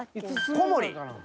小森。